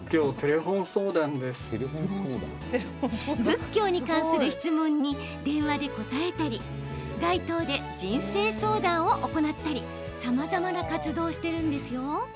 仏教に関する質問に電話で答えたり街頭で人生相談を行ったりさまざまな活動をしています。